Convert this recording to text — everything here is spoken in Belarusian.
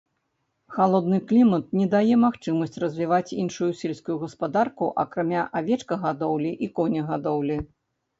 Халодны клімат не дае магчымасць развіваць іншую сельскую гаспадарку, акрамя авечкагадоўлі і конегадоўлі.